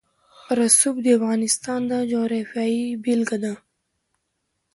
رسوب د افغانستان د جغرافیې بېلګه ده.